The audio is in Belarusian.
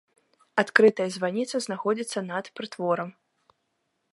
Адкрытая званіца знаходзіцца над прытворам.